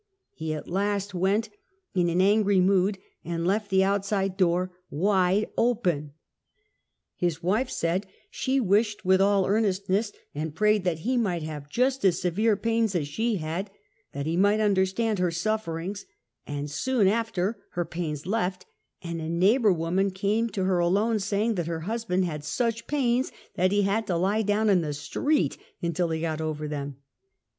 He at last went in an angry mood and left the out side door wdde open. His wife said she wished with all earnestness and pra^^ed that he might have just as severe pains as she had, that he might understand her sufferings ; and soon after all her pains left, and a neighbor woman came to her alone, saying that her husband had such pains that he had to lie down in the street until he got over them.